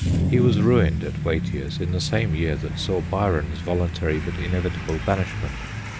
He was ruined at Watier's, in the same year that saw Byron's voluntary but inevitable banishment.